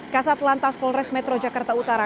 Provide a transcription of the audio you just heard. kasat lantas polres metro jakarta utara